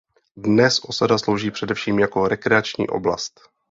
Dnes osada slouží především jako rekreační oblast.